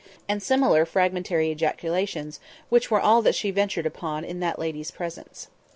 and similar fragmentary ejaculations, which were all that she ventured upon in my lady's presence.